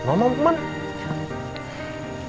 mau ke rumah